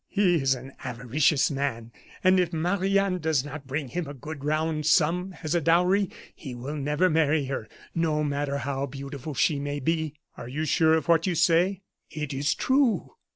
He is an avaricious man; and if Marie Anne does not bring him a good round sum as a dowry, he will never marry her, no matter how beautiful she may be." "Are you sure of what you say?" "It is true.